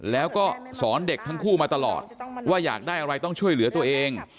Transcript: แล้วก็สอนเด็กทั้งคู่มาตลอดว่าอยากได้อะไรต้องช่วยเหลือตัวเอง